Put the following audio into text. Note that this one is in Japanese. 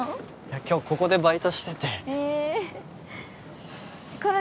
今日ここでバイトしててへえころ